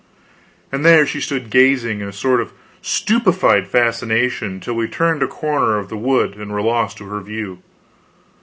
And there she stood gazing, in a sort of stupefied fascination, till we turned a corner of the wood and were lost to her view.